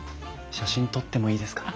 写真撮ってもいいですか？